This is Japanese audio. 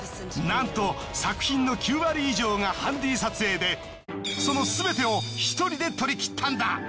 なんと作品の９割以上がハンディ撮影でそのすべてを１人で撮りきったんだ。